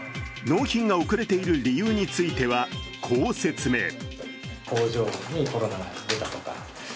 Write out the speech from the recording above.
納品が遅れている理由についてはこう説明。